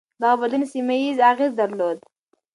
دغه بدلون سيمه ييز اغېز درلود.